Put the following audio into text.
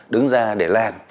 đứng ra để làm